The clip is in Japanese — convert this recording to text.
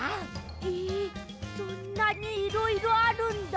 ええそんなにいろいろあるんだ。